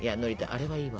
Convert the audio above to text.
あれはいいわ。